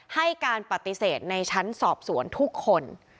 ให้การปฏิเสธในชั้นสอบสวนทุกคน